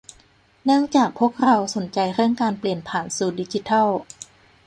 เนื่องจากพวกเราสนใจเรื่องการเปลี่ยนผ่านสู่ดิจิทัล